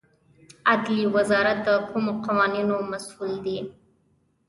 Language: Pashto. عدلیې وزارت د کومو قوانینو مسوول دی؟